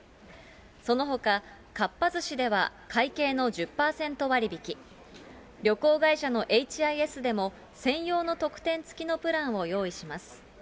そのほかかっぱ寿司では、会計の１０％割引き、旅行会社のＨＩＳでも、専用の特典付きのプランを用意します。